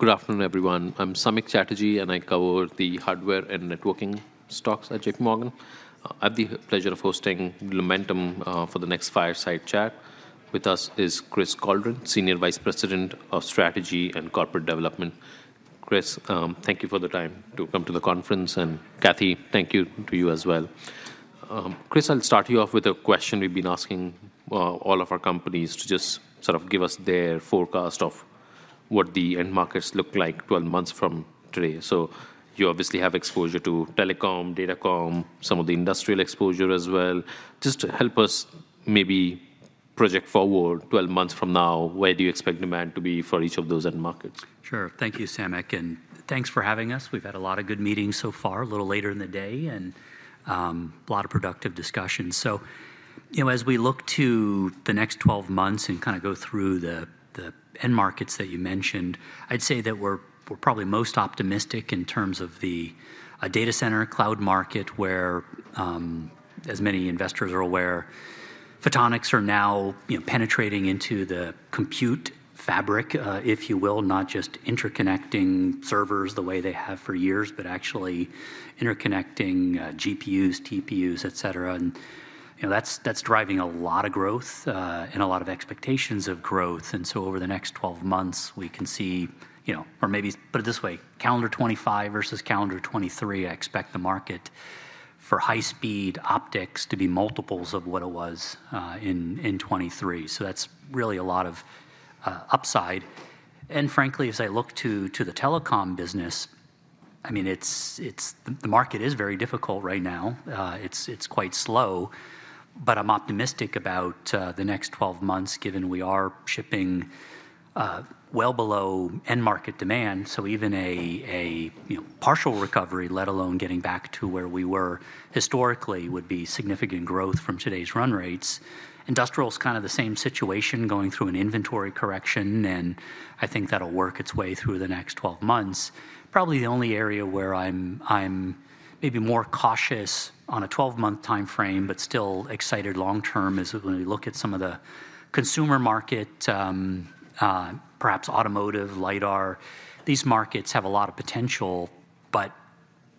Good afternoon, everyone. I'm Samik Chatterjee, and I cover the hardware and networking stocks at JPMorgan. I have the pleasure of hosting Lumentum for the next fireside chat. With us is Chris Coldren, Senior Vice President of Strategy and Corporate Development. Chris, thank you for the time to come to the conference, and Kathy, thank you to you as well. Chris, I'll start you off with a question we've been asking all of our companies to just sort of give us their forecast of what the end markets look like 12 months from today. So you obviously have exposure to telecom, datacom, some of the industrial exposure as well. Just help us maybe project forward 12 months from now, where do you expect demand to be for each of those end markets? Sure. Thank you, Samik, and thanks for having us. We've had a lot of good meetings so far, a little later in the day, and a lot of productive discussions. So, you know, as we look to the next 12 months and kind of go through the end markets that you mentioned, I'd say that we're probably most optimistic in terms of the data center cloud market, where, as many investors are aware, photonics are now, you know, penetrating into the compute fabric, if you will, not just interconnecting servers the way they have for years, but actually interconnecting GPUs, TPUs, et cetera. And, you know, that's driving a lot of growth and a lot of expectations of growth. And so over the next 12 months, we can see, you know, or maybe put it this way, calendar 2025 versus calendar 2023, I expect the market for high-speed optics to be multiples of what it was in 2023. So that's really a lot of upside. And frankly, as I look to the telecom business, I mean, it's the market is very difficult right now. It's quite slow, but I'm optimistic about the next 12 months, given we are shipping well below end market demand. So even a you know, partial recovery, let alone getting back to where we were historically, would be significant growth from today's run rates. Industrial is kind of the same situation, going through an inventory correction, and I think that'll work its way through the next 12 months. Probably the only area where I'm maybe more cautious on a 12-month timeframe, but still excited long term, is when we look at some of the consumer market, perhaps automotive, LiDAR. These markets have a lot of potential, but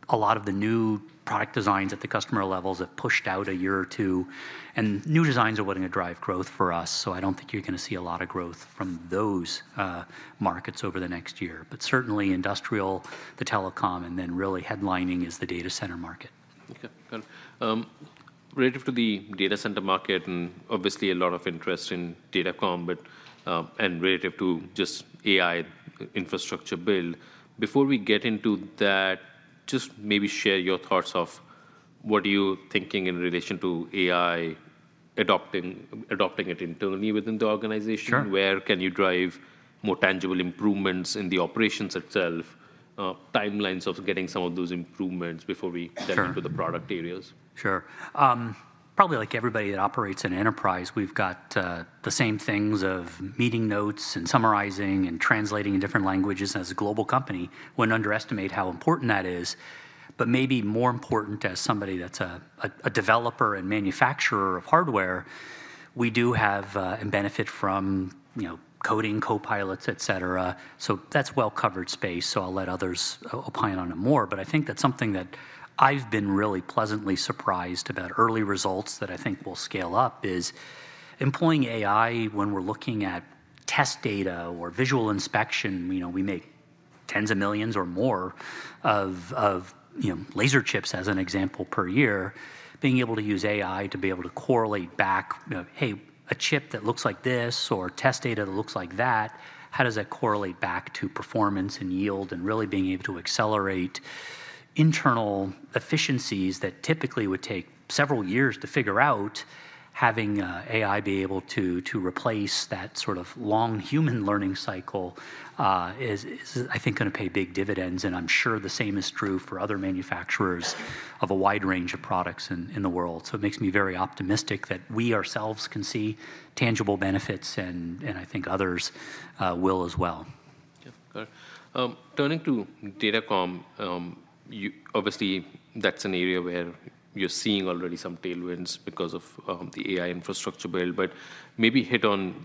a lot of the new product designs at the customer levels have pushed out a year or two, and new designs are willing to drive growth for us. So I don't think you're gonna see a lot of growth from those markets over the next year. But certainly industrial, the telecom, and then really headlining is the data center market. Okay, good. Relative to the data center market, and obviously a lot of interest in Datacom, but, and relative to just AI infrastructure build, before we get into that, just maybe share your thoughts of what are you thinking in relation to AI adopting it internally within the organization where can you drive more tangible improvements in the operations itself, timelines of getting some of those improvements before we get into the product areas? Sure. Probably like everybody that operates in enterprise, we've got the same things of meeting notes, and summarizing, and translating in different languages. As a global company, wouldn't underestimate how important that is, but maybe more important, as somebody that's a developer and manufacturer of hardware, we do have and benefit from, you know, coding, copilots, et cetera. So that's well-covered space, so I'll let others opine on it more. But I think that's something that I've been really pleasantly surprised about. Early results that I think will scale up is employing AI when we're looking at test data or visual inspection. You know, we make tens of millions or more of, you know, laser chips, as an example, per year. Being able to use AI to be able to correlate back, you know, hey, a chip that looks like this or test data that looks like that, how does that correlate back to performance and yield? And really being able to accelerate internal efficiencies that typically would take several years to figure out, having AI be able to replace that sort of long human learning cycle, is, I think, gonna pay big dividends. And I'm sure the same is true for other manufacturers of a wide range of products in the world. So it makes me very optimistic that we ourselves can see tangible benefits, and I think others will as well. Yeah, got it. Turning to Datacom, you obviously, that's an area where you're seeing already some tailwinds because of the AI infrastructure build, but maybe hit on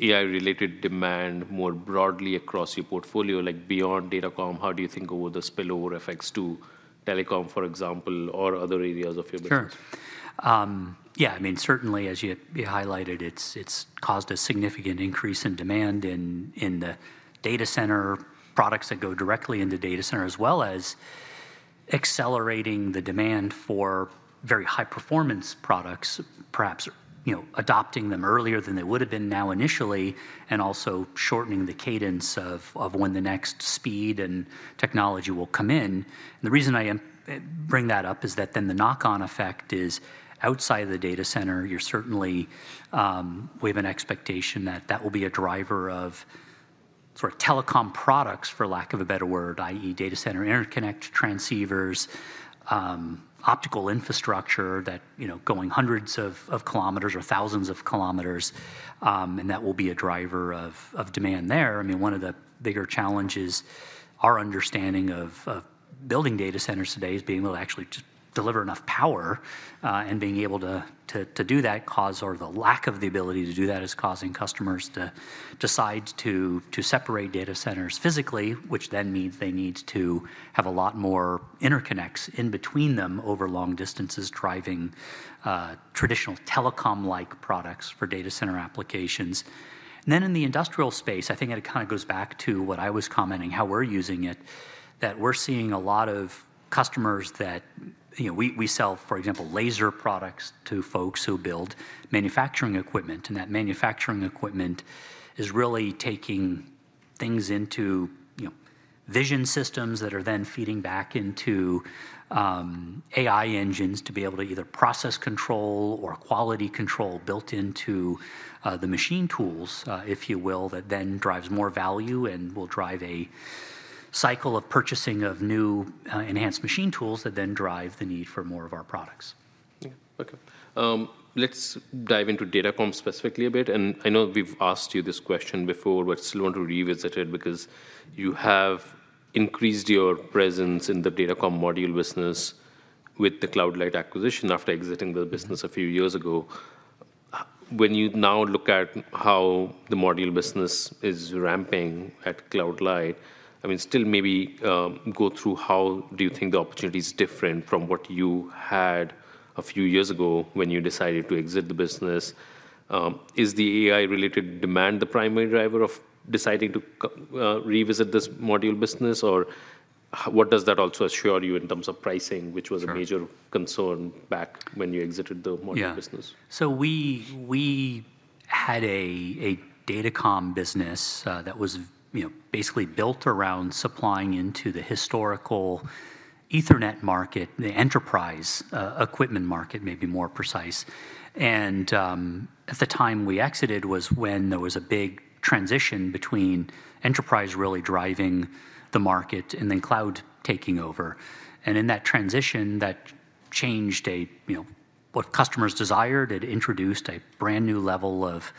AI-related demand more broadly across your portfolio, like beyond Datacom, how do you think over the spillover effects to telecom, for example, or other areas of your business? Sure. Yeah, I mean, certainly, as you highlighted, it's caused a significant increase in demand in the data center products that go directly into data center, as well as accelerating the demand for very high-performance products, perhaps, you know, adopting them earlier than they would have been now initially, and also shortening the cadence of when the next speed and technology will come in. The reason I am bringing that up is that then the knock-on effect is outside the data center. You're certainly. We have an expectation that that will be a driver of sort of telecom products, for lack of a better word, i.e., data center interconnect transceivers, optical infrastructure that, you know, going hundreds of kilometers or thousands of kilometers, and that will be a driver of demand there. I mean, one of the bigger challenges our understanding of building data centers today is being able to actually deliver enough power, and being able to do that 'cause, or the lack of the ability to do that, is causing customers to decide to separate data centers physically, which then means they need to have a lot more interconnects in between them over long distances, driving traditional telecom-like products for data center applications. And then in the industrial space, I think it kinda goes back to what I was commenting, how we're using it, that we're seeing a lot of customers that, you know, we, we sell, for example, laser products to folks who build manufacturing equipment, and that manufacturing equipment is really taking things into, you know, vision systems that are then feeding back into AI engines to be able to either process control or quality control built into the machine tools, if you will. That then drives more value and will drive a cycle of purchasing of new enhanced machine tools that then drive the need for more of our products. Yeah. Okay. Let's dive into Datacom specifically a bit, and I know we've asked you this question before, but still want to revisit it because you have increased your presence in the Datacom module business with the Cloud Light acquisition after exiting the business a few years ago. When you now look at how the module business is ramping at Cloud Light, I mean, still maybe, go through how do you think the opportunity is different from what you had a few years ago when you decided to exit the business? Is the AI-related demand the primary driver of deciding to revisit this module business, or what does that also assure you in terms of pricing which was a major concern back when you exited the module business? Yeah. So we had a Datacom business that was, you know, basically built around supplying into the historical Ethernet market, the enterprise equipment market, maybe more precise. At the time we exited was when there was a big transition between enterprise really driving the market and then cloud taking over. In that transition, that changed, you know, what customers desired. It introduced a brand-new level of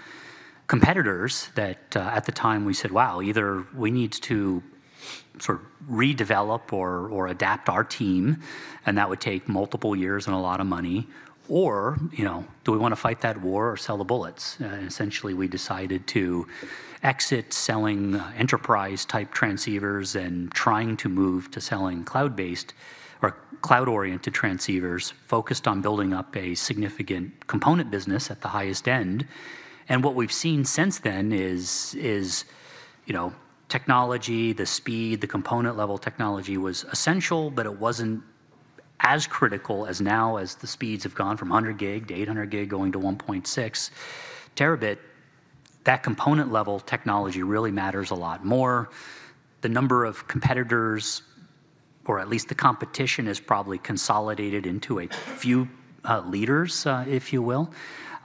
competitors that, at the time, we said, "Wow, either we need to sort of redevelop or adapt our team," and that would take multiple years and a lot of money, or, you know, do we wanna fight that war or sell the bullets? Essentially, we decided to exit selling enterprise-type transceivers and trying to move to selling cloud-based or cloud-oriented transceivers, focused on building up a significant component business at the highest end. And what we've seen since then is, you know, technology, the speed, the component level technology was essential, but it wasn't as critical as now, as the speeds have gone from 100 Gb to 800 Gb, going to 1.6 Tb. That component level technology really matters a lot more. The number of competitors, or at least the competition, is probably consolidated into a few leaders, if you will.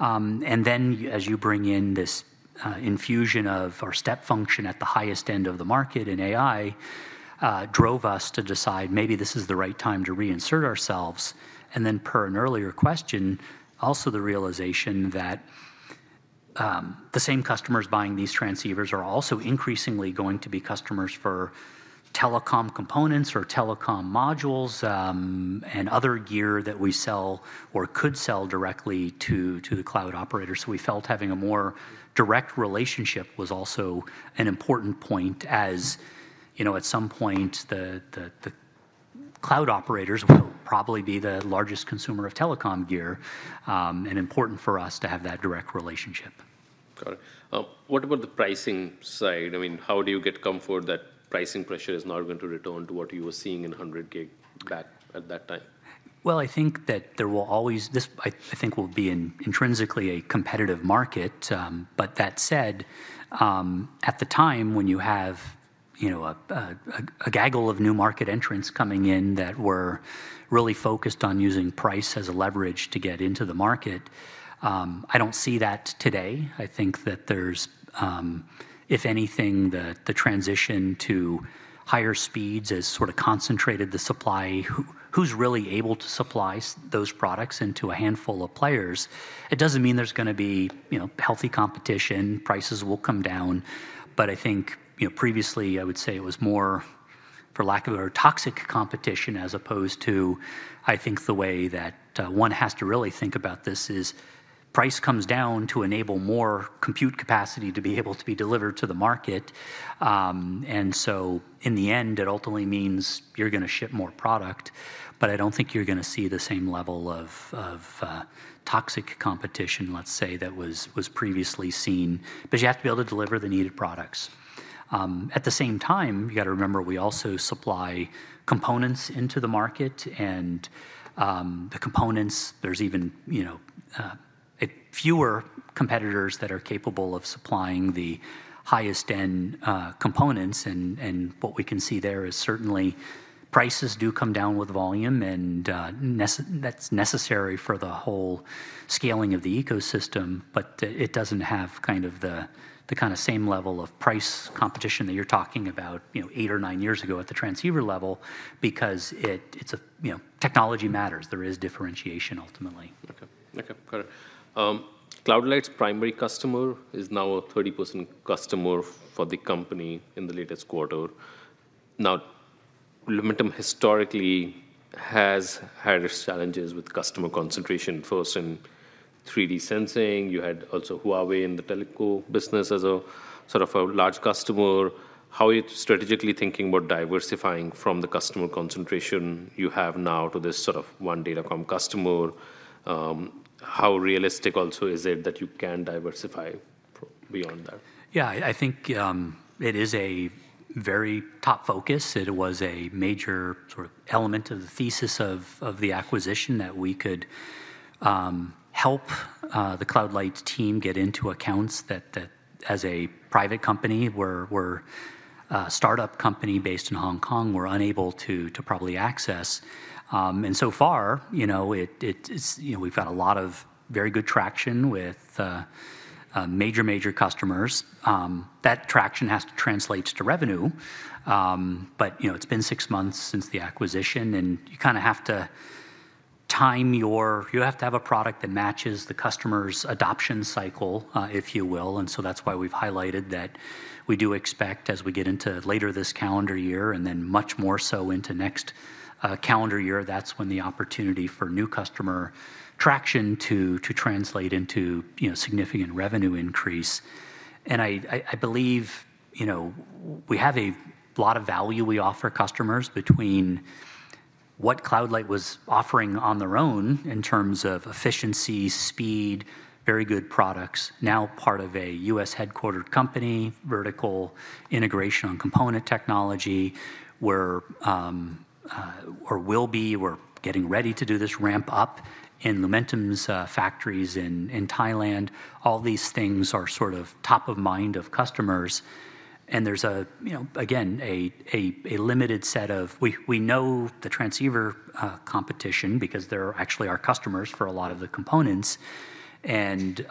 And then as you bring in this infusion or step function at the highest end of the market in AI, drove us to decide, maybe this is the right time to reinsert ourselves. And then per an earlier question, also the realization that, the same customers buying these transceivers are also increasingly going to be customers for telecom components or telecom modules, and other gear that we sell or could sell directly to the cloud operator. So we felt having a more direct relationship was also an important point, as, you know, at some point, the cloud operators will probably be the largest consumer of telecom gear, and important for us to have that direct relationship. Got it. What about the pricing side? I mean, how do you get comfort that pricing pressure is not going to return to what you were seeing in 100 Gb back at that time? Well, I think that there will always be intrinsically a competitive market, but that said, at the time when you have, you know, a gaggle of new market entrants coming in that were really focused on using price as a leverage to get into the market, I don't see that today. I think that there's, if anything, the transition to higher speeds has sort of concentrated the supply, who's really able to supply those products, into a handful of players. It doesn't mean there's gonna be, you know, healthy competition. Prices will come down. But I think, you know, previously, I would say it was more for lack of a toxic competition, as opposed to, I think the way that one has to really think about this is price comes down to enable more compute capacity to be able to be delivered to the market. And so in the end, it ultimately means you're gonna ship more product, but I don't think you're gonna see the same level of toxic competition, let's say, that was previously seen, because you have to be able to deliver the needed products. At the same time, you gotta remember, we also supply components into the market, and the components, there's even, you know, fewer competitors that are capable of supplying the highest-end components. What we can see there is certainly prices do come down with volume, and that's necessary for the whole scaling of the ecosystem, but it doesn't have kind of the kinda same level of price competition that you're talking about, you know, eight or nine years ago at the transceiver level, because it's a, you know, technology matters. There is differentiation ultimately. Okay. Okay, got it. Cloud Light's primary customer is now a 30% customer for the company in the latest quarter. Now, Lumentum historically has had its challenges with customer concentration, first in 3D Sensing. You had also Huawei in the telco business as a sort of a large customer. How are you strategically thinking about diversifying from the customer concentration you have now to this sort of one Datacom customer? How realistic also is it that you can diversify beyond that? Yeah, I think, it is a very top focus. It was a major sort of element of the thesis of the acquisition that we could help the Cloud Light team get into accounts that as a private company were a startup company based in Hong Kong were unable to probably access. And so far, you know, it's, you know, we've got a lot of very good traction with major customers. That traction has to translate to revenue. But, you know, it's been six months since the acquisition, and you kind of have to time your, you have to have a product that matches the customer's adoption cycle if you will. And so that's why we've highlighted that we do expect, as we get into later this calendar year, and then much more so into next calendar year, that's when the opportunity for new customer traction to translate into, you know, significant revenue increase. And I believe, you know, we have a lot of value we offer customers between what Cloud Light was offering on their own in terms of efficiency, speed, very good products, now part of a U.S. headquartered company, vertical integration on component technology. We're, or will be, we're getting ready to do this ramp up in Lumentum's factories in Thailand. All these things are sort of top of mind of customers, and there's a, you know, again, a limited set of, We know the transceiver competition because they're actually our customers for a lot of the components, and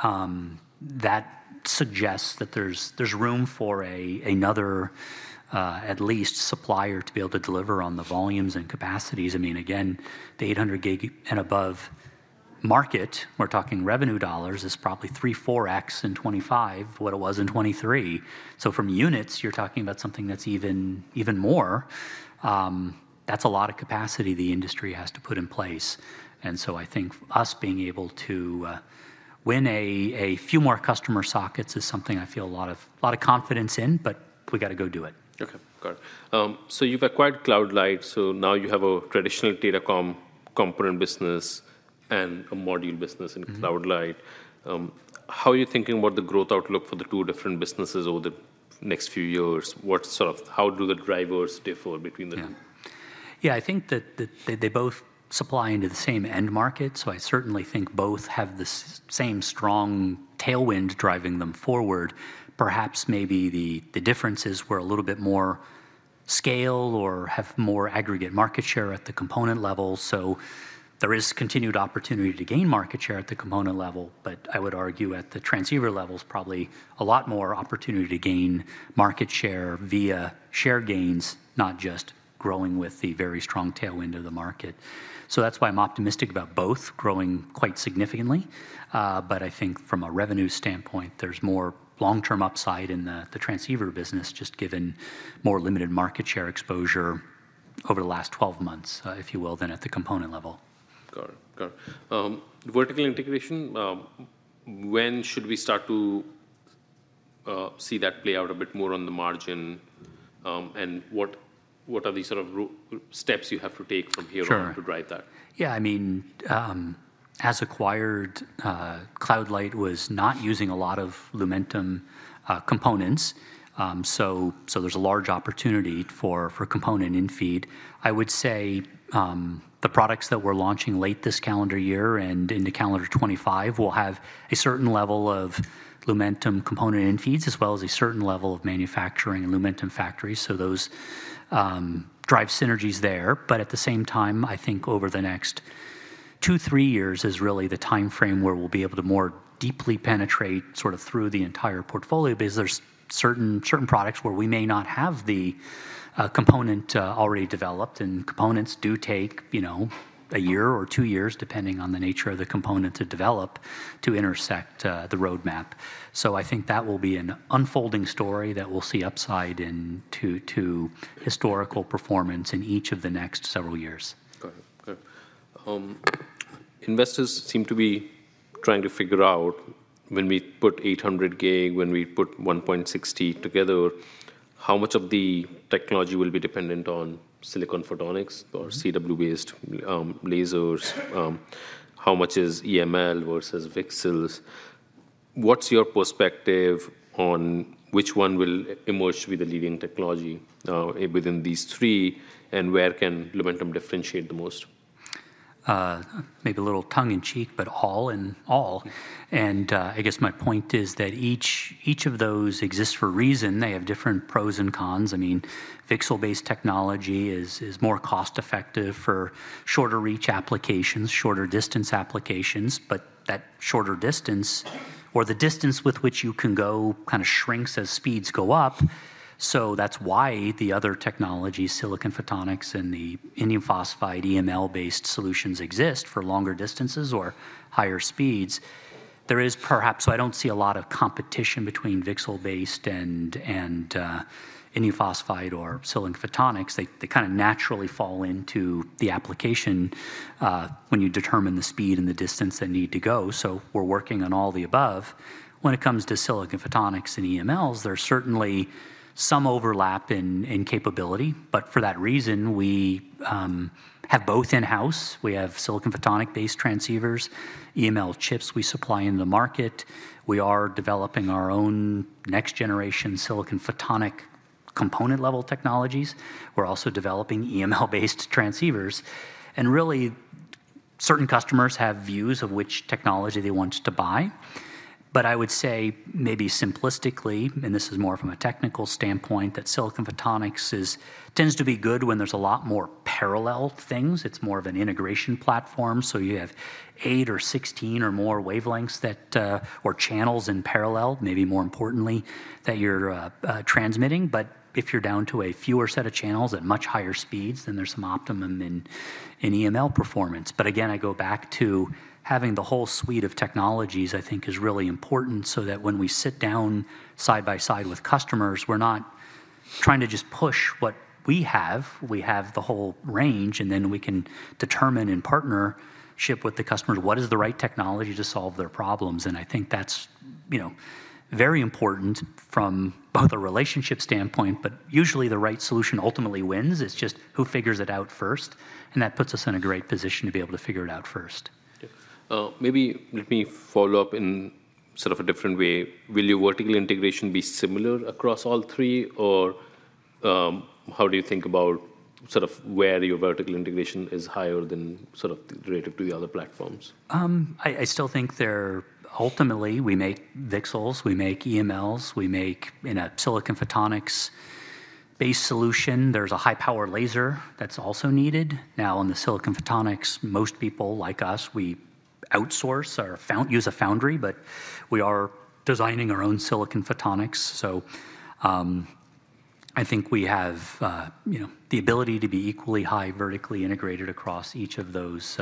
that suggests that there's room for at least another supplier to be able to deliver on the volumes and capacities. I mean, again, the 800 Gb and above market, we're talking revenue dollars, is probably 3-4x in 2025 what it was in 2023. So from units, you're talking about something that's even more. That's a lot of capacity the industry has to put in place, and so I think us being able to win a few more customer sockets is something I feel a lot of confidence in, but we've got to go do it. Okay, got it. So you've acquired Cloud Light, so now you have a traditional Datacom component business and a module business in Cloud Light. How are you thinking about the growth outlook for the two different businesses over the next few years? What sort of- How do the drivers differ between the two? Yeah. Yeah, I think that they both supply into the same end market, so I certainly think both have the same strong tailwind driving them forward. Perhaps, maybe the differences were a little bit more scale or have more aggregate market share at the component level. So there is continued opportunity to gain market share at the component level, but I would argue, at the transceiver levels, probably a lot more opportunity to gain market share via share gains, not just growing with the very strong tailwind of the market. So that's why I'm optimistic about both growing quite significantly. But I think from a revenue standpoint, there's more long-term upside in the transceiver business, just given more limited market share exposure over the last 12 months, if you will, than at the component level. Got it. Got it. Vertical integration, when should we start to see that play out a bit more on the margin? And what are the sort of steps you have to take from here to drive that? Yeah, I mean, as acquired, Cloud Light was not using a lot of Lumentum components, so there's a large opportunity for component in-feed. I would say, the products that we're launching late this calendar year and into calendar 2025 will have a certain level of Lumentum component in-feeds, as well as a certain level of manufacturing in Lumentum factories, so those drive synergies there. But at the same time, I think over the next two, three years is really the timeframe where we'll be able to more deeply penetrate sort of through the entire portfolio. Because there's certain products where we may not have the component already developed, and components do take, you know, a year or two years, depending on the nature of the component, to develop, to intersect the roadmap. I think that will be an unfolding story that will see upside into historical performance in each of the next several years. Got it. Got it. Investors seem to be trying to figure out when we put 800 Gb, when we put 1.6 Tb together, how much of the technology will be dependent on silicon photonics or CW-based lasers? How much is EML versus VCSELs? What's your perspective on which one will emerge to be the leading technology, within these three, and where can Lumentum differentiate the most? Maybe a little tongue-in-cheek, but all in all, and I guess my point is that each of those exists for a reason. They have different pros and cons. I mean, VCSEL-based technology is more cost-effective for shorter-reach applications, shorter-distance applications, but that shorter distance, or the distance with which you can go, kind of shrinks as speeds go up. So that's why the other technology, silicon photonics and the indium phosphide EML-based solutions, exist for longer distances or higher speeds. There is perhaps, so I don't see a lot of competition between VCSEL-based and indium phosphide or silicon photonics. They kind of naturally fall into the application when you determine the speed and the distance they need to go. So we're working on all the above. When it comes to silicon photonics and EMLs, there's certainly some overlap in, in capability, but for that reason, we have both in-house. We have silicon photonic-based transceivers, EML chips we supply in the market. We are developing our own next-generation silicon photonic component-level technologies. We're also developing EML-based transceivers. And really, certain customers have views of which technology they want to buy. But I would say, maybe simplistically, and this is more from a technical standpoint, that silicon photonics tends to be good when there's a lot more parallel things. It's more of an integration platform, so you have eight or 16 or more wavelengths that, or channels in parallel, maybe more importantly, that you're transmitting. But if you're down to a fewer set of channels at much higher speeds, then there's some optimum in, in EML performance. Again, I go back to having the whole suite of technologies. I think is really important, so that when we sit down side by side with customers, we're not trying to just push what we have. We have the whole range, and then we can determine, in partnership with the customer, what is the right technology to solve their problems? I think that's, you know, very important from both a relationship standpoint, but usually the right solution ultimately wins. It's just who figures it out first, and that puts us in a great position to be able to figure it out first. Yeah. Maybe let me follow up in sort of a different way. Will your vertical integration be similar across all three, or, how do you think about sort of where your vertical integration is higher than sort of relative to the other platforms? I still think there ultimately, we make VCSELs, we make EMLs, we make in a silicon photonics-based solution. There's a high-power laser that's also needed. Now, in the silicon photonics, most people like us, we outsource or use a foundry, but we are designing our own silicon photonics. So, I think we have, you know, the ability to be equally high, vertically integrated across each of those,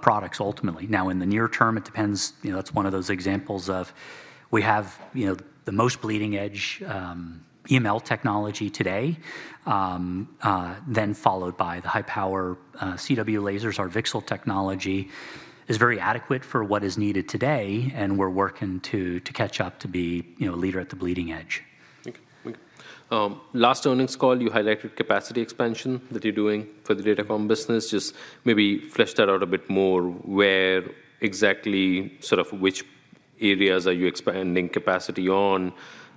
products ultimately. Now, in the near term, it depends. You know, that's one of those examples of we have, you know, the most bleeding-edge, EML technology today, then followed by the high power, CW lasers. Our VCSEL technology is very adequate for what is needed today, and we're working to catch up to be, you know, a leader at the bleeding edge. Thank you. Last earnings call, you highlighted capacity expansion that you're doing for the Datacom business. Just maybe flesh that out a bit more, where exactly sort of which areas are you expanding capacity on,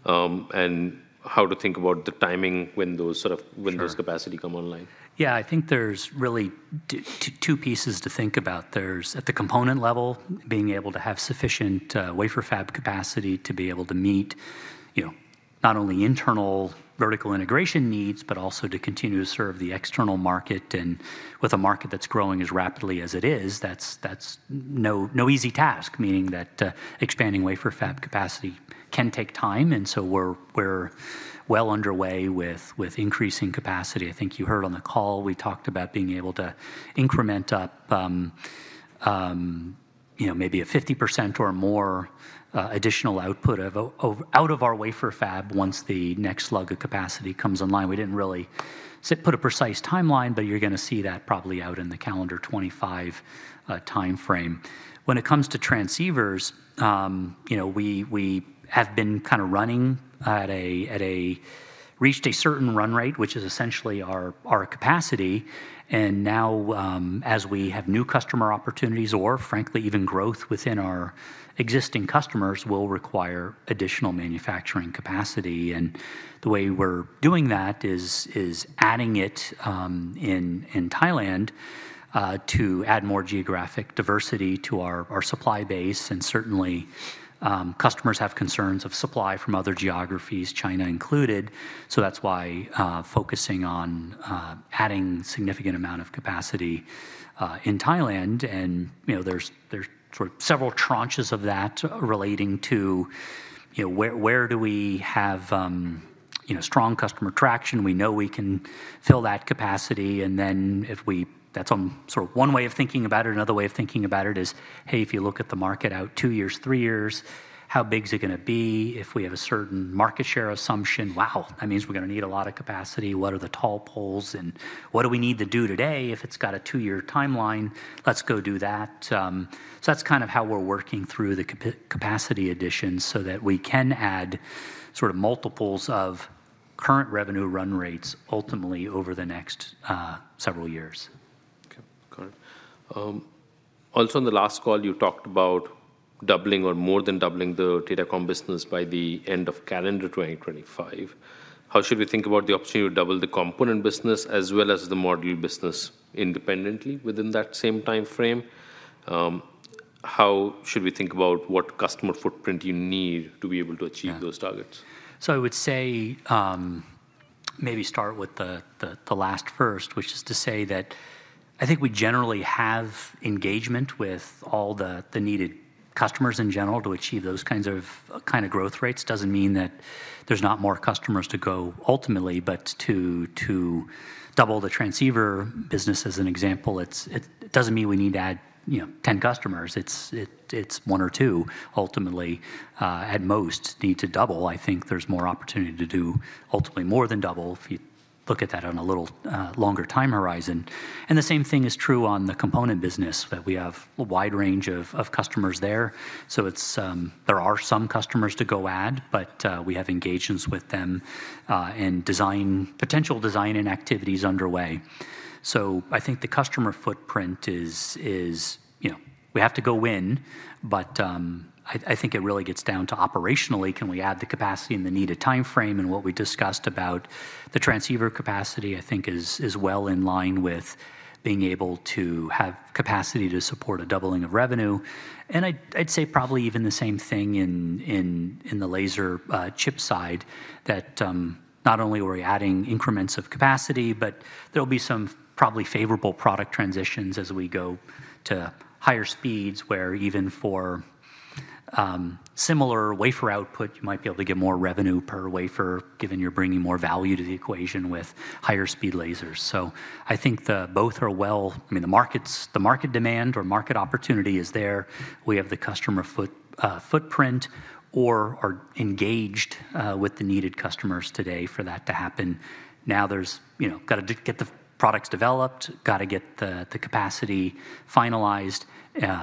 and how to think about the timing when those sort of when those capacity come online? Yeah, I think there's really two pieces to think about. There's, at the component level, being able to have sufficient wafer fab capacity to be able to meet, you know, not only internal vertical integration needs, but also to continue to serve the external market. And with a market that's growing as rapidly as it is, that's no easy task, meaning that expanding wafer fab capacity can take time, and so we're well underway with increasing capacity. I think you heard on the call, we talked about being able to increment up, you know, maybe 50% or more additional output out of our wafer fab, once the next slug of capacity comes online. We didn't really put a precise timeline, but you're gonna see that probably out in the calendar 2025 timeframe. When it comes to transceivers, you know, we have been kind of running at a certain run rate, which is essentially our capacity. And now, as we have new customer opportunities or frankly, even growth within our existing customers, will require additional manufacturing capacity. And the way we're doing that is adding it in Thailand to add more geographic diversity to our supply base. And certainly, customers have concerns of supply from other geographies, China included. So that's why focusing on adding significant amount of capacity in Thailand, and you know, there's sort of several tranches of that relating to you know, where do we have strong customer traction? We know we can fill that capacity, and then if we, that's sort of one way of thinking about it. Another way of thinking about it is, hey, if you look at the market out two years, three years, how big is it gonna be? If we have a certain market share assumption, wow, that means we're gonna need a lot of capacity. What are the tall poles, and what do we need to do today if it's got a two-year timeline? Let's go do that. So that's kind of how we're working through the capacity additions so that we can add sort of multiples of current revenue run rates ultimately over the next several years. Okay, got it. Also on the last call, you talked about doubling or more than doubling the Datacom business by the end of calendar 2025. How should we think about the opportunity to double the component business as well as the module business independently within that same time frame? How should we think about what customer footprint you need to be able to achieve those targets? So I would say, maybe start with the last first, which is to say that I think we generally have engagement with all the needed customers in general to achieve those kinds of growth rates. Doesn't mean that there's not more customers to go ultimately, but to double the transceiver business as an example, it doesn't mean we need to add, you know, 10 customers. It's one or two ultimately, at most need to double. I think there's more opportunity to do ultimately more than double, if you look at that on a little longer time horizon. And the same thing is true on the component business, that we have a wide range of customers there. So it's... There are some customers to go add, but we have engagements with them, and potential design and activities underway. So I think the customer footprint is, you know, we have to go in, but I think it really gets down to operationally, can we add the capacity in the needed timeframe? And what we discussed about the transceiver capacity, I think, is well in line with being able to have capacity to support a doubling of revenue. And I'd say probably even the same thing in the laser chip side, that not only are we adding increments of capacity, but there'll be some probably favorable product transitions as we go to higher speeds, where even for similar wafer output, you might be able to get more revenue per wafer, given you're bringing more value to the equation with higher speed lasers. So I think the both are well. I mean, the market demand or market opportunity is there. We have the customer footprint or are engaged with the needed customers today for that to happen. Now, there's, you know, got to get the products developed, got to get the capacity finalized,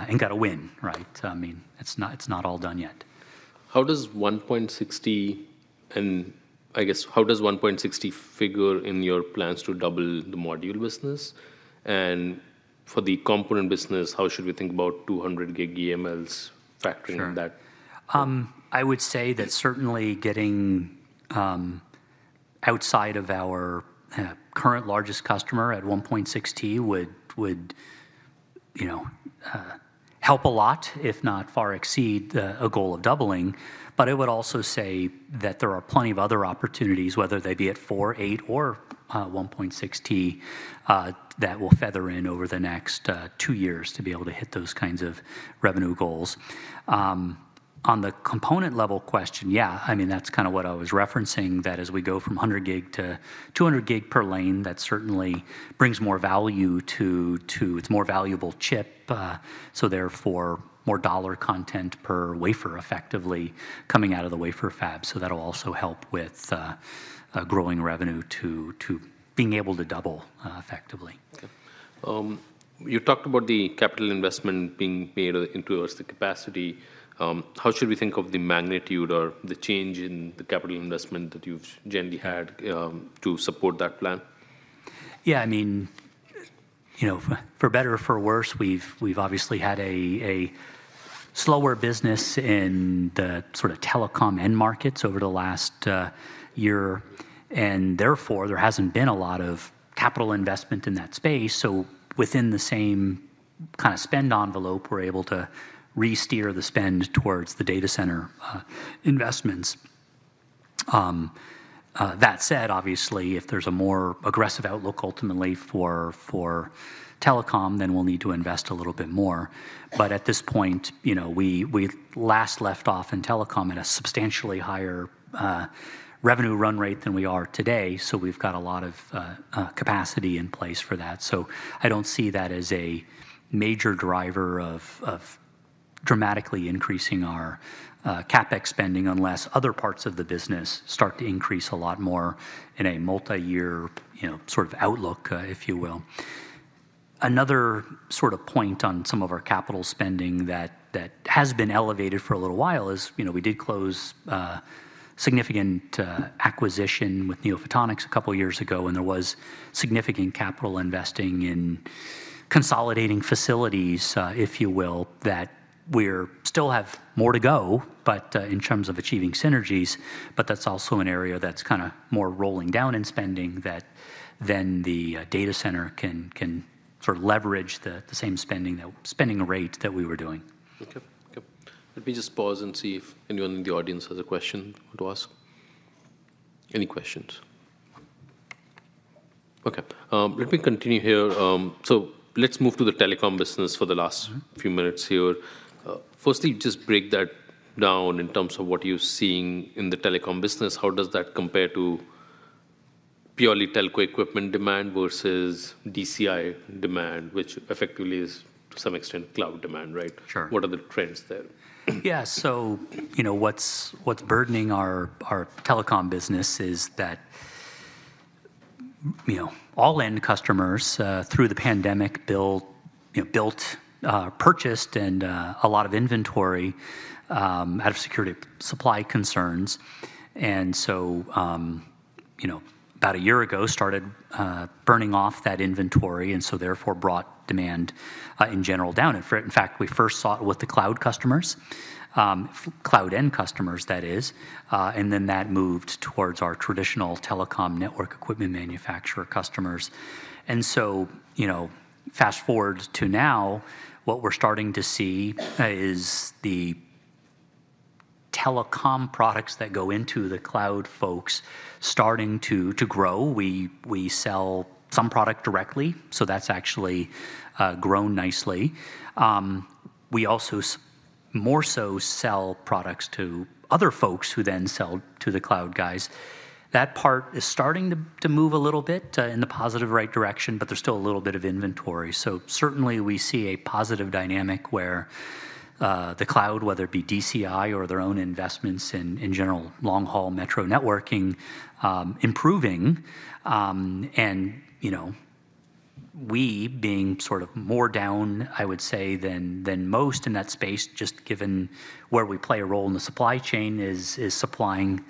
and get a win, right? I mean, it's not all done yet. How does 1.6 Tb, and I guess how does 1.6 Tb figure in your plans to double the module business? And for the component business, how should we think about 200 Gb EMLs factoring in that? Sure. I would say that certainly getting outside of our current largest customer at 1.6 Tb would, you know, help a lot, if not far exceed the, a goal of doubling. But I would also say that there are plenty of other opportunities, whether they be at four, eight or 1.6 Tb, that will feather in over the next two years to be able to hit those kinds of revenue goals. On the component level question, yeah, I mean, that's kind of what I was referencing, that as we go from 100 Gb to 200 Gb per lane, that certainly brings more value to, to, it's a more valuable chip, so therefore, more dollar content per wafer effectively coming out of the wafer fab. That'll also help with growing revenue to being able to double effectively. Okay. You talked about the capital investment being made into the capacity. How should we think of the magnitude or the change in the capital investment that you've generally had, to support that plan? Yeah, I mean, you know, for better or for worse, we've obviously had a slower business in the sort of telecom end markets over the last year, and therefore, there hasn't been a lot of capital investment in that space. So within the same kind of spend envelope, we're able to re-steer the spend towards the data center investments. That said, obviously, if there's a more aggressive outlook ultimately for telecom, then we'll need to invest a little bit more. But at this point, you know, we last left off in telecom at a substantially higher revenue run rate than we are today, so we've got a lot of capacity in place for that. So I don't see that as a major driver of dramatically increasing our CapEx spending, unless other parts of the business start to increase a lot more in a multi-year, you know, sort of outlook, if you will. Another sort of point on some of our capital spending that has been elevated for a little while is, you know, we did close a significant acquisition with NeoPhotonics a couple of years ago, and there was significant capital investing in consolidating facilities, if you will, that we're still have more to go, but in terms of achieving synergies, but that's also an area that's kind of more rolling down in spending that than the data center can sort of leverage the same spending, that spending rate that we were doing. Okay. Okay. Let me just pause and see if anyone in the audience has a question to ask. Any questions? Okay, let me continue here. So let's move to the telecom business for the last few minutes here. Firstly, just break that down in terms of what you're seeing in the telecom business. How does that compare to purely telco equipment demand versus DCI demand, which effectively is, to some extent, cloud demand, right? Sure. What are the trends there? Yeah. So, you know, what's burdening our telecom business is that, you know, all end customers through the pandemic built, you know, purchased and a lot of inventory out of security supply concerns. And so, you know, about a year ago started burning off that inventory, and so therefore brought demand in general down. In fact, we first saw it with the cloud customers, cloud end customers, that is, and then that moved towards our traditional telecom network equipment manufacturer customers. And so, you know, fast-forward to now, what we're starting to see is telecom products that go into the cloud folks starting to grow. We sell some product directly, so that's actually grown nicely. We also more so sell products to other folks who then sell to the cloud guys. That part is starting to move a little bit in the positive right direction, but there's still a little bit of inventory. So certainly we see a positive dynamic where the cloud, whether it be DCI or their own investments in general, long-haul metro networking, improving. And you know, we being sort of more down, I would say, than most in that space, just given where we play a role in the supply chain, is supplying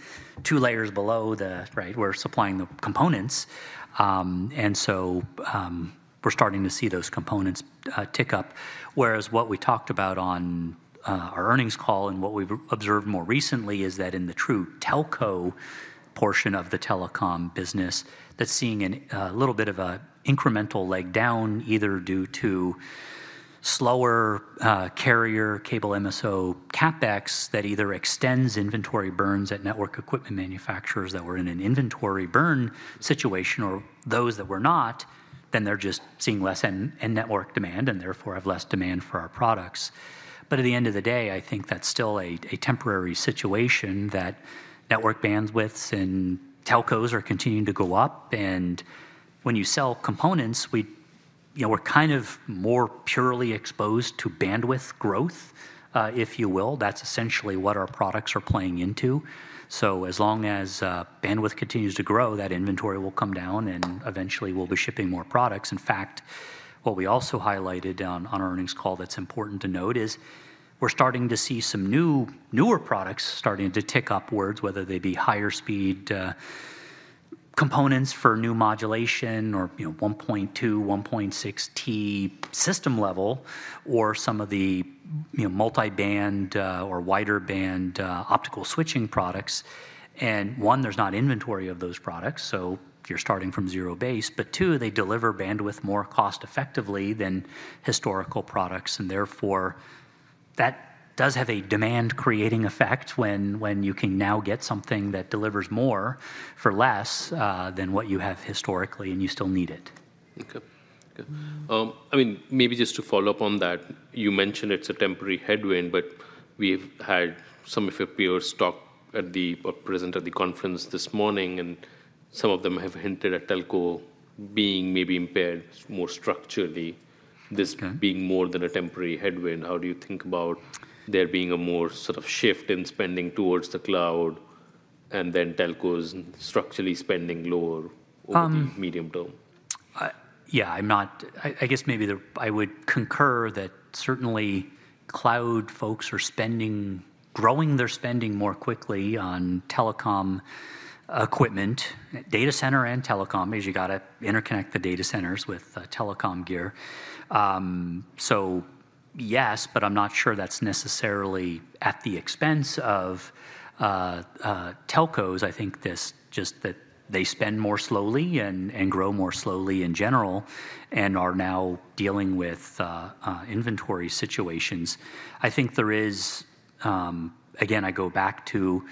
two layers below the right? We're supplying the components. And so, we're starting to see those components tick up. Whereas what we talked about on our earnings call and what we've observed more recently is that in the true telco portion of the telecom business, that's seeing a little bit of an incremental leg down, either due to slower carrier, cable MSO CapEx that either extends inventory burns at network equipment manufacturers that were in an inventory burn situation, or those that were not, then they're just seeing less in network demand, and therefore have less demand for our products. But at the end of the day, I think that's still a temporary situation, that network bandwidths and telcos are continuing to go up. And when you sell components, we, you know, we're kind of more purely exposed to bandwidth growth, if you will. That's essentially what our products are playing into. So as long as bandwidth continues to grow, that inventory will come down, and eventually we'll be shipping more products. In fact, what we also highlighted on our earnings call that's important to note is, we're starting to see some new, newer products starting to tick upwards, whether they be higher speed components for new modulation or, you know, 1.2 Tb, 1.6 T system level, or some of the, you know, multi-band, or wider band optical switching products. And one, there's not inventory of those products, so you're starting from zero base, but two, they deliver bandwidth more cost effectively than historical products, and therefore, that does have a demand-creating effect when you can now get something that delivers more for less than what you have historically, and you still need it. Okay. Good. I mean, maybe just to follow up on that, you mentioned it's a temporary headwind, but we've had some of your peers talk at the, or present at the conference this morning, and some of them have hinted at telco being maybe impaired more structurally this being more than a temporary headwind. How do you think about there being a more sort of shift in spending towards the cloud, and then telcos structurally spending lower over the medium term? Yeah, I guess maybe I would concur that certainly cloud folks are spending, growing their spending more quickly on telecom equipment, data center and telecom, as you got to interconnect the data centers with telecom gear. So yes, but I'm not sure that's necessarily at the expense of telcos. I think it's just that they spend more slowly and grow more slowly in general, and are now dealing with inventory situations. I think, again, I go back to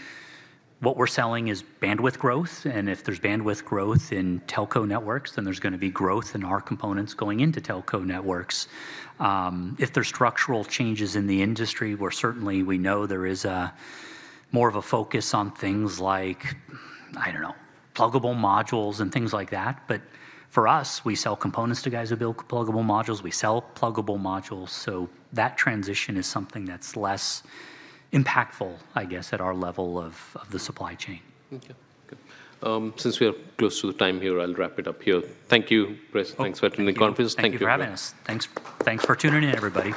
what we're selling is bandwidth growth, and if there's bandwidth growth in telco networks, then there's gonna be growth in our components going into telco networks. If there's structural changes in the industry, where certainly we know there is a more of a focus on things like, I don't know, pluggable modules and things like that, but for us, we sell components to guys who build pluggable modules. We sell pluggable modules, so that transition is something that's less impactful, I guess, at our level of the supply chain. Thank you. Good. Since we are close to the time here, I'll wrap it up here. Thank you, Chris. Oh, thank you. Thanks for the conference. Thank you Thank you for having us. Thanks for tuning in, everybody.